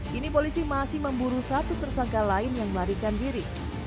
kini polisi masih memburu satu tersangka lain yang melarikan diri